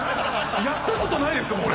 やったことないですもん俺。